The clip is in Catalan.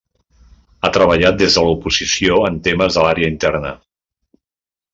Ha treballat des de l'oposició en temes de l'Àrea Interna.